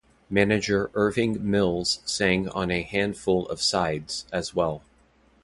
Manager Irving Mills sang on a handful of sides, as well.